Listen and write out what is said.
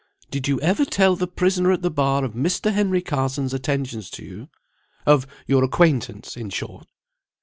Did you ever tell the prisoner at the bar of Mr. Henry Carson's attentions to you? of your acquaintance, in short?